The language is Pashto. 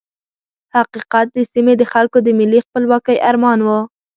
حقیقت د سیمې د خلکو د ملي خپلواکۍ ارمان وو.